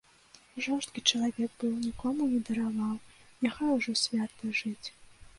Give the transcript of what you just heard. Жорсткі чалавек быў, нікому не дараваў, няхай ужо свят ляжыць.